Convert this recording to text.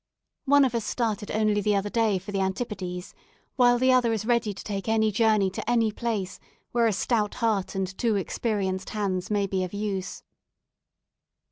One of us started only the other day for the Antipodes, while the other is ready to take any journey to any place where a stout heart and two experienced hands may be of use.